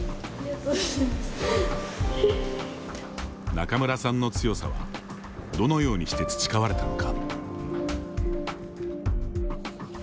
仲邑さんの強さはどのようにして培われたのか。